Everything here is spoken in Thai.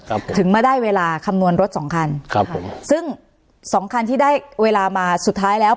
ถึงมาได้เวลาคำนวณรถสองคันครับผมซึ่งสองคันที่ได้เวลามาสุดท้ายแล้ว